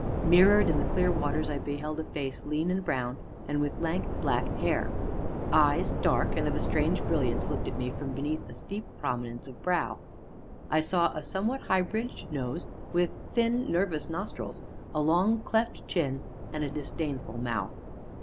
Mirrored in the clear waters I beheld a face lean and brown, and with lank, black hair; eyes, dark and of a strange brilliance, looked at me from beneath a steep prominence of brow; I saw a somewhat high bridged nose with thin, nervous nostrils, a long, cleft chin, and a disdainful mouth.